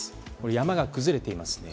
山が崩れていますね。